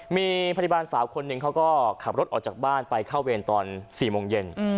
มีพยาบาลสาวคนหนึ่งเขาก็ขับรถออกจากบ้านไปเข้าเวรตอน๔โมงเย็น